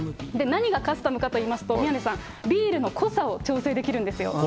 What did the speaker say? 何がカスタムかといいますと、宮根さん、ビールの濃さを調整できるんですよね。